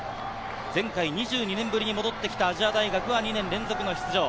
前回、２２年ぶりに戻ってきた亜細亜大学は２年連続の出場。